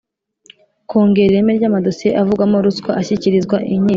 Kongera ireme ry amadosiye avugwamo ruswa ashyikirizwa inkiko